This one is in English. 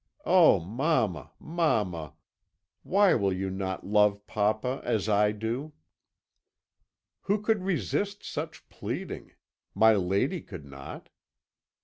Oh, mamma, mamma! why will you not love papa as I do?' "Who could resist such pleading? My lady could not.